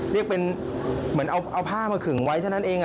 เรียกเป็นเหมือนเอาผ้ามาขึงไว้เท่านั้นเอง